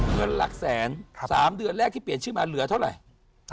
เงินหลักแสน๓เดือนแรกที่เปลี่ยนชื่อมาเหลือเท่าไหร่